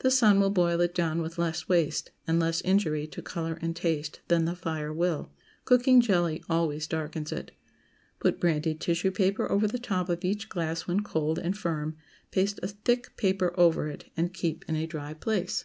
The sun will boil it down with less waste, and less injury to color and taste, than the fire will. Cooking jelly always darkens it. Put brandied tissue paper over the top of each glass when cold and firm, paste a thick paper over it, and keep in a dry place.